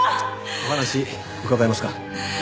お話伺えますか？